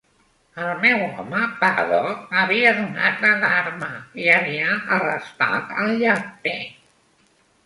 El meu home Paddock havia donat l'alarma i havia arrestat el lleter.